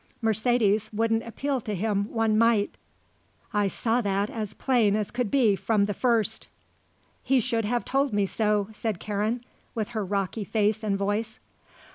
Mercedes wouldn't appeal to him one mite. I saw that as plain as could be from the first." "He should have told me so," said Karen, with her rocky face and voice.